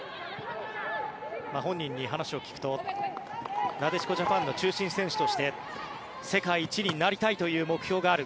本人に話を聞くとなでしこジャパンの中心選手として世界一になりたいという目標がある。